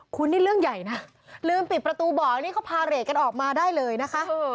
คุณนี่เรื่องใหญ่นะลืมปิดประตูบ่ออันนี้เขาพาเรทกันออกมาได้เลยนะคะ